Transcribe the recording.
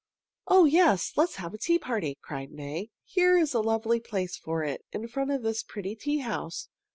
"Oh, yes! Let's have a tea party!" cried May. "Here is a lovely place for it in front of this pretty tea house.